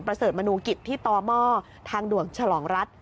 ประเสริฐมนุกิจที่ตมทางด่วงฉลองรัฐ